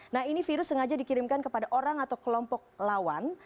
nah ini virus sengaja dikirimkan kepada orang atau kelompok lawan